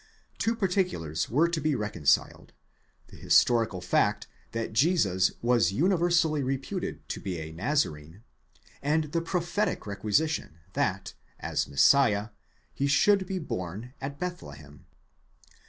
Two particulars were to be reconciled—the historical fact that Jesus was universally reputed to be a Nazarene, and the prophetic requisition that, as Messiah, he should be born at Bethlehem.